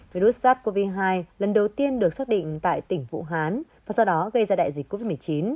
virus sars cov hai lần đầu tiên được xác định tại tỉnh vũ hán và do đó gây ra đại dịch covid một mươi chín